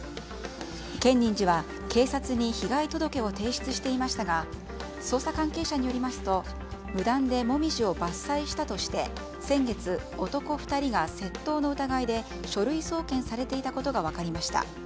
建仁寺は警察に被害届を提出していましたが捜査関係者によりますと無断でモミジを伐採したとして先月、男２人が窃盗の疑いで書類送検されていたことが分かりました。